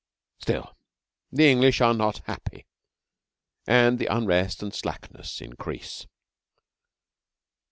Still, the English are not happy, and the unrest and slackness increase.